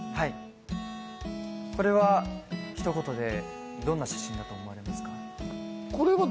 これはひと言でどんな写真だと思いますか？